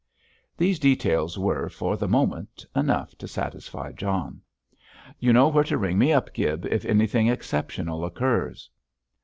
These details were, for the moment, enough to satisfy John. "You know where to ring me up, Gibb, if anything exceptional occurs."